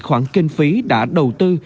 khoản kinh phí đã đầu tư